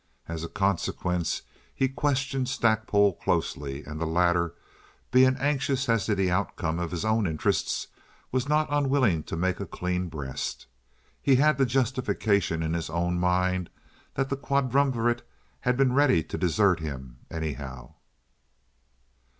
As a consequence he questioned Stackpole closely, and the latter, being anxious as to the outcome of his own interests, was not unwilling to make a clean breast. He had the justification in his own mind that the quadrumvirate had been ready to desert him anyhow.